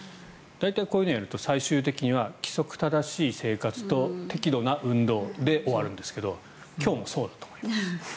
大体、こういうのをやると最終的には規則正しい生活と適度な運動で終わるんですけど今日もそうだと思います。